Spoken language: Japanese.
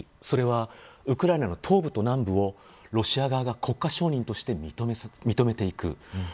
それはウクライナの東部と南部をロシア側が国家承認として認めていく。